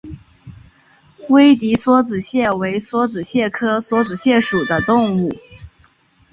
威迪梭子蟹为梭子蟹科梭子蟹属的动物。